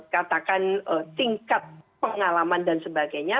katakan tingkat pengalaman dan sebagainya